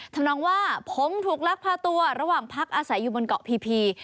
ทำนองว่าผมถูกลักพาตัวระหว่างพักอาศัยอยู่บนเกาะพี